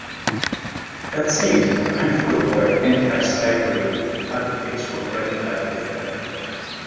That said, a handful of white antislavery advocates were radicalized by the pamphlet.